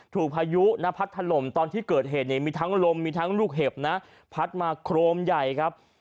พายุนะพัดถล่มตอนที่เกิดเหตุเนี่ยมีทั้งลมมีทั้งลูกเห็บนะพัดมาโครมใหญ่ครับ